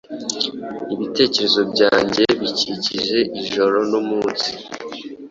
Ibitekerezo Byanjye Bikikije Ijoro n'umunsi